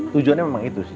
tujuannya memang itu sih